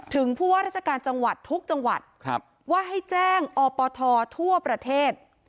ผู้ว่าราชการจังหวัดทุกจังหวัดว่าให้แจ้งอปททั่วประเทศ